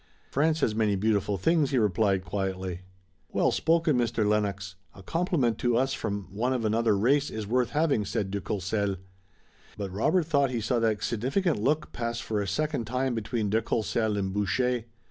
"France has many beautiful things," he replied quietly. "Well spoken, Mr. Lennox! A compliment to us from one of another race is worth having," said de Courcelles. But Robert thought he saw that significant look pass for a second time between de Courcelles and Boucher.